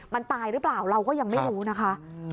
มันตายหรือเปล่าเราก็ยังไม่รู้นะคะ